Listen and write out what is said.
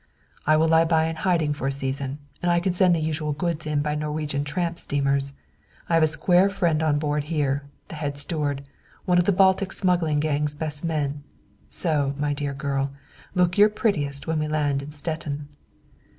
"I will lie by in hiding for a season, and I can send the usual goods in by Norwegian tramp steamers. I have a square friend on board here, the head steward, one of the Baltic smuggling gang's best men. So, my dear girl, look your prettiest when we land in Stettin."